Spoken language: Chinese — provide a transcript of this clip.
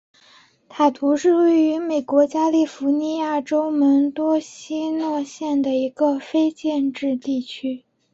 塔图是位于美国加利福尼亚州门多西诺县的一个非建制地区。